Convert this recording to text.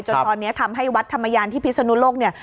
จนตอนนี้ทำให้วัดธรรมยานที่พิศนุโลกเนี่ย